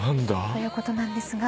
ということなんですが。